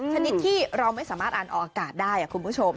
ชนิดที่เราไม่สามารถอ่านออกอากาศได้คุณผู้ชม